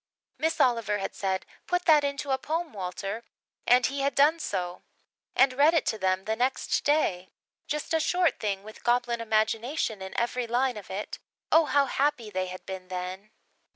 Miss Oliver had said, "Put that into a poem, Walter," and he had done so, and read it to them the next day just a short thing with goblin imagination in every line of it. Oh, how happy they had been then!